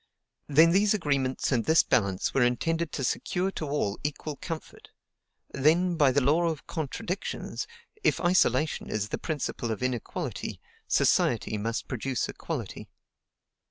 Then these agreements and this balance were intended to secure to all equal comfort; then, by the law of contradictions, if isolation is the principle of inequality, society must produce equality.